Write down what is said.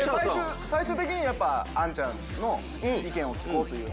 最終的に杏ちゃんの意見を聞こうという話。